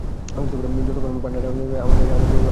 যতক্ষণ পান্নাটা ওর কাছে আছে, আমরা রোবটনিককে হারাতে পারব না।